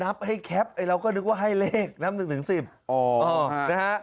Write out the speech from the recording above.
นับให้แคปเราก็นึกว่าให้เลขน้ำหนึ่งถึง๑๐